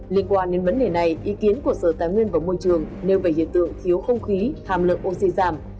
liên quan đến vấn đề này ý kiến của sở tài nguyên và môi trường nêu về hiện tượng thiếu không khí hàm lượng oxy giảm